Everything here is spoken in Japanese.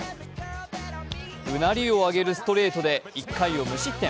うなりを上げるストレートで１回を無失点。